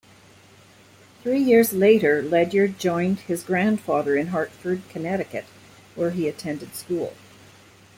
Three years later Ledyard joined his grandfather in Hartford, Connecticut, where he attended school.